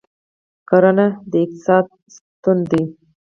کرهڼه د اقتصاد ستون دی